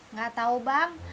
nggak tahu bang